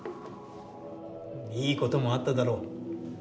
いいこともあっただろう。